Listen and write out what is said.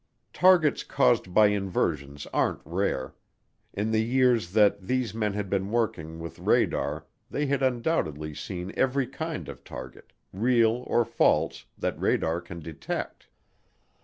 Targets caused by inversions aren't rare in the years that these men had been working with radar they had undoubtedly seen every kind of target, real or false, that radar can detect.